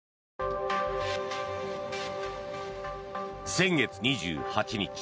先月２８日